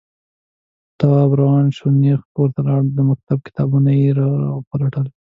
تواب روان شو، نېغ کور ته لاړ، د مکتب کتابونه يې راوپلټل.